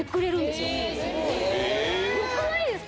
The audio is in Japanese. よくないですか？